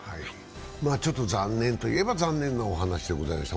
ちょっと残念といえば残念なお話でございました。